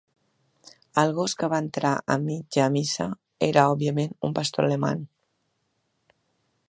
El gos que va entrar a mitjan missa era, òbviament, un pastor alemany.